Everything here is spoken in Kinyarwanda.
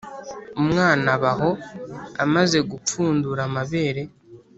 Umwana aba aho, amaze gupfundura amabere